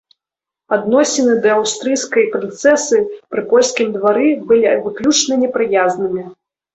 Адносіны да аўстрыйскай прынцэсы пры польскім двары былі выключна непрыязнымі.